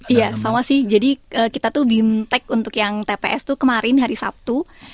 iya sama sih jadi kita tuh bimtek untuk yang tps itu kemarin hari sabtu